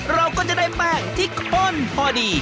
เราก็จะได้แป้งที่ข้นพอดี